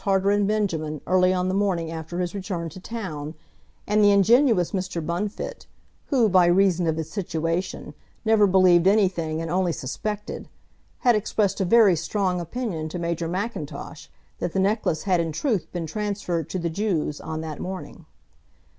Harter and Benjamin early on the morning after his return to town, and the ingenuous Mr. Bunfit, who, by reason of his situation, never believed anything and only suspected, had expressed a very strong opinion to Major Mackintosh that the necklace had in truth been transferred to the Jews on that morning.